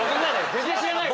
全然知らないわ。